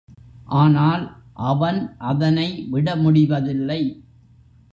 ஆனால் அவன் அதனை விடமுடிவதில்லை.